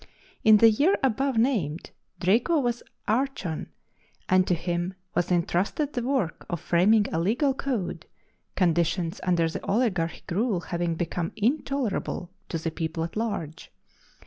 In the year above named Draco was archon, and to him was intrusted the work of framing a legal code, conditions under the oligarchic rule having become intolerable to the people at large.